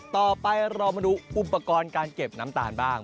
ต่อไปเรามาดูอุปกรณ์การเก็บน้ำตาลบ้าง